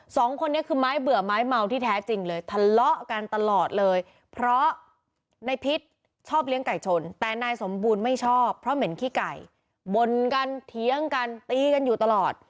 สมบูรณ์ไม่ชอบเพราะเหม็นขี้ไก่บนกันเดียงกันตีกันอยู่ตลอด